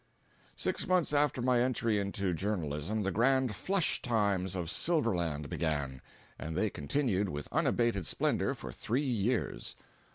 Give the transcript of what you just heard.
Six months after my entry into journalism the grand "flush times" of Silverland began, and they continued with unabated splendor for three years.